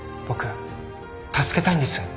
僕助けたいんです